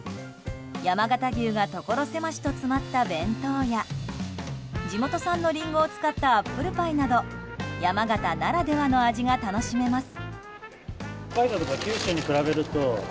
山形牛がところ狭しと詰まった弁当や地元産のリンゴを使ったアップルパイなど山形ならではの味が楽しめます。